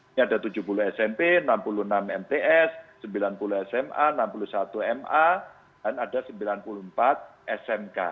ini ada tujuh puluh smp enam puluh enam mts sembilan puluh sma enam puluh satu ma dan ada sembilan puluh empat smk